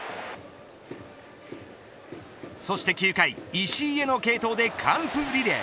そして９回、石井への継投で完封リレー。